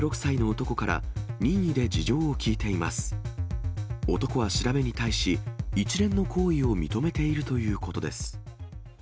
男は調べに対し、一連の行為を認めているということです。